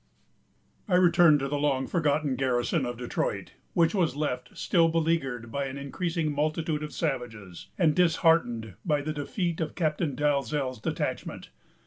I return to the long forgotten garrison of Detroit, which was left still beleaguered by an increasing multitude of savages, and disheartened by the defeat of Captain Dalzell's detachment.